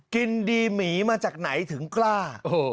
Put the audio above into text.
กินดีหมีมาจากไหนถึงกล้า